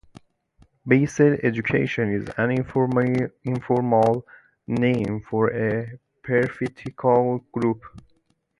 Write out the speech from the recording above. Basal eudicot is an informal name for a paraphyletic group.